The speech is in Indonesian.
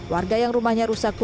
warga yang rumahnya rusak